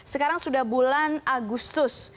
sekarang sudah bulan agustus